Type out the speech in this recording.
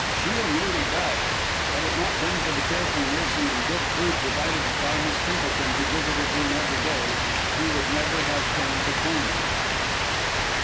Shiel nearly died. Had it not been for the careful nursing and good food provided by Miss Templeton, who visited him every day, he would never have turned the corner.